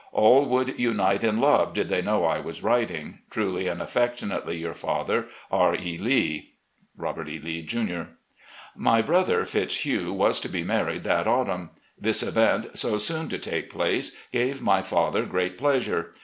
All would unite in love did they know I was writing. "Truly and aflEectionately, your father, "R. E. Lee. "Robert E. Lee, Jr." My brother Fitzhugh was to be married that autumn. This event, so soon to take place, gave my father great pleasure.